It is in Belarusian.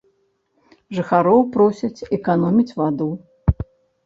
Жыхароў просяць эканоміць ваду.